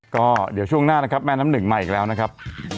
ก็ช่วงหน้าแม่น้ำหนึ่งใหม่อยู่แล้วนะครับ